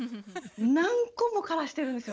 何個も枯らしてるんですよね。